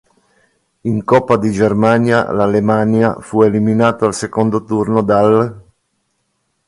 In Coppa di Germania l'Alemannia fu eliminato al secondo turno dall'.